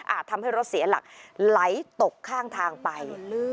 ทำให้รถเสียหลักไหลตกข้างทางไป